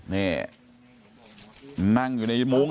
นี่นั่งอยู่ในมุ้ง